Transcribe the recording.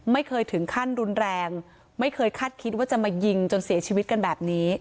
ไม่เคยถึงขั้นรุนแรงไม่เคยคาดคิดว่าจะมายิงจนเสียชีวิตกันแบบนี้